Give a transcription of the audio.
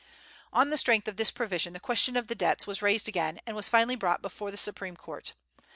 On the strength of this provision, the question of the debts was raised again, and was finally brought before the Supreme Court.